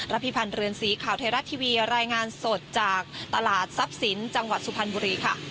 พิพันธ์เรือนสีข่าวไทยรัฐทีวีรายงานสดจากตลาดทรัพย์สินจังหวัดสุพรรณบุรีค่ะ